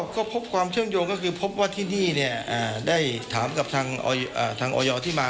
ก็พบความเชื่อมโยงก็คือพบว่าที่นี่ได้ถามกับทางออยที่มา